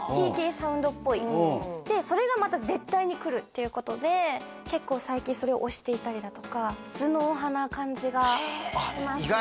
ＴＫサウンドっぽいでそれがまた絶対に来るっていうことで結構最近それを推していたりだとか頭脳派な感じがしますね